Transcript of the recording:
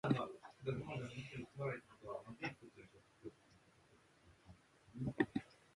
私はロボットではありません